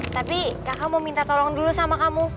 tapi kakak mau minta tolong dulu sama kamu